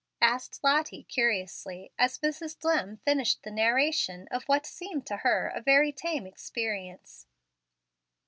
asked Lottie, curiously, as Mrs. Dlimm finished the narration of what seemed to her very tame experience.